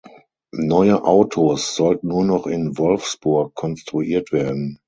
Neue Autos sollten nur noch in Wolfsburg konstruiert werden.